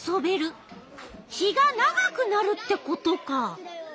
日が長くなるってことか。